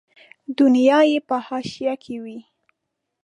دنیا یې په حاشیه کې وي.